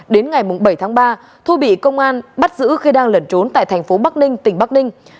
đến ngày bảy tháng ba thu bị công an bắt giữ khi đang lẩn trốn tại thành phố bắc ninh tỉnh bắc ninh